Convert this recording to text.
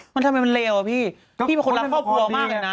มันทำไมมันเลวอะพี่พี่เป็นคนรักครอบครัวมากเลยนะ